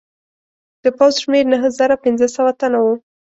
د پوځ شمېر نهه زره پنځه سوه تنه وو.